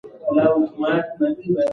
پښتو ژبه زموږ د ملي هویت نښه ده.